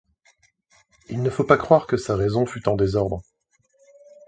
Il ne faut pas croire que sa raison fût en désordre.